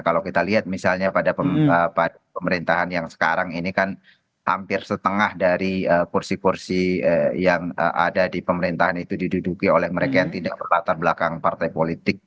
kalau kita lihat misalnya pada pemerintahan yang sekarang ini kan hampir setengah dari kursi kursi yang ada di pemerintahan itu diduduki oleh mereka yang tidak berlatar belakang partai politik